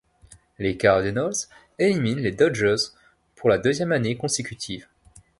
Les Cardinals éliminent les Dodgers pour la deuxième année consécutive.